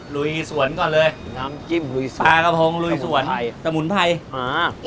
รูยสวนก่อนเลยปลากะโพงรูยสวนสมุนไพรอ่า